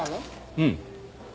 うん。